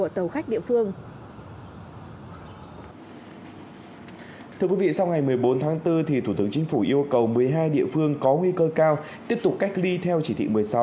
từ ngày một mươi bốn tháng bốn tp hcm yêu cầu một mươi hai địa phương có nguy cơ cao tiếp tục cách ly theo chỉ thị một mươi sáu